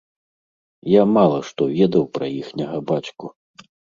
Я мала што ведаў пра іхняга бацьку.